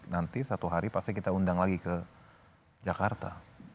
nanti satu hari pasti kita undang lagi ke jakarta